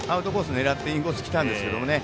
狙ってインコースきたんですけどね。